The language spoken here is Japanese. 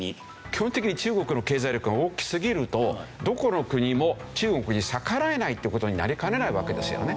基本的に中国の経済力が大きすぎるとどこの国も中国に逆らえないという事になりかねないわけですよね。